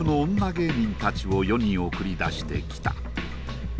芸人たちを世に送り出してきた。